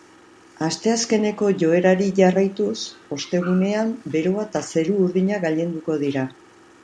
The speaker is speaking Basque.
Asteazkeneko joerari jarraituz, ostegunean beroa eta zeru urdinak gailenduko dira.